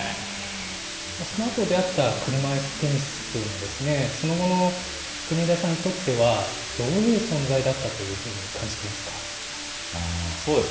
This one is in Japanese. そのあと出会った車いすテニスというのはですね、その後の国枝さんにとっては、どういう存在だったというふうに感じてますか。